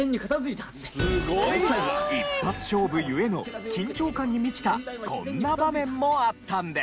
一発勝負故の緊張感に満ちたこんな場面もあったんです。